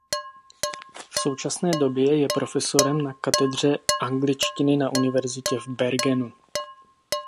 V současné době je profesorem na katedře angličtiny na Univerzitě v Bergenu.